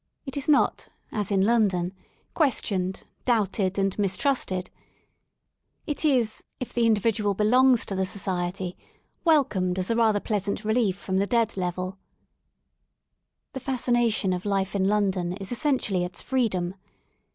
It is not, as in London, questioned^ doubted and mistrusted; it is,, if the individual belongs to the so ciety, welcomed as a rather pleasant relief from the dead leveL The fascination of life in London is essentially its freedom.